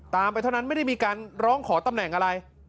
ไปเท่านั้นไม่ได้มีการร้องขอตำแหน่งอะไร